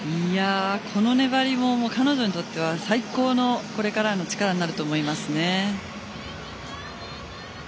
この粘りも彼女にとっては最高のこれからの力になると思いますね。